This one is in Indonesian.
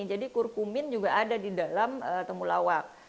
jadi kurkumin juga ada di dalam temulawak